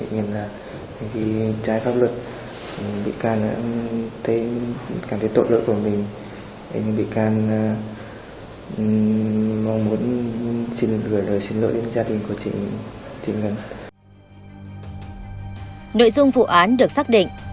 nội dung vụ án được xác định